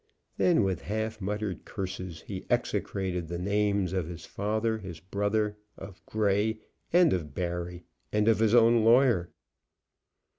Then with half muttered curses he execrated the names of his father, his brother, of Grey, and of Barry, and of his own lawyer.